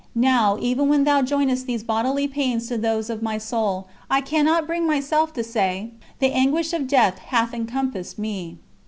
Now, even when Thou joinest these bodily pains to those of my soul, I cannot bring myself to say: 'The anguish of death hath encompassed me.'